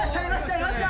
いました！